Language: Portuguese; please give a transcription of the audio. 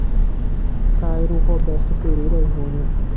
Cairo Roberto Pereira Junior